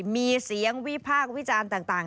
มีเสียงวิพากษ์วิจารณ์ต่าง